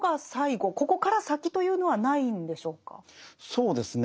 そうですね